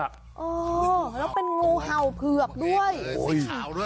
อ่าแล้วเป็นงูเห่าเผือกด้วย